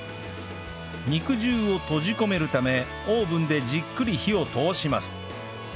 肉汁を閉じ込めるためオーブンでじっくり火を通します